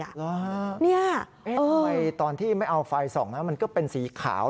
ทำไมตอนที่ไม่เอาไฟส่องแล้วมันก็เป็นสีขาว